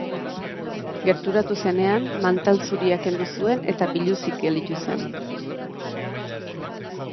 Gerturatu zenean, mantal zuria kendu zuen eta biluzik gelditu zen.